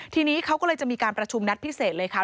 ทีนี้เขาก็เลยจะมีการประชุมนัดพิเศษเลยค่ะ